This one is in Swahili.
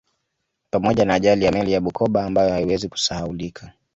Pamoja na ajali ya meli ya Bukoba ambayo haiwezi kusahaulika